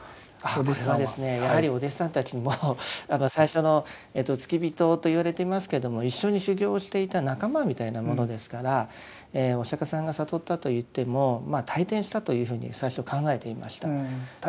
これはですねやはりお弟子さんたちも最初の付き人といわれてますけども一緒に修行をしていた仲間みたいなものですからお釈迦さんが悟ったといっても退転したというふうに最初考えていました。